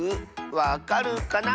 わかるかな？